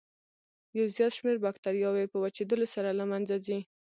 یو زیات شمېر باکتریاوې په وچېدلو سره له منځه ځي.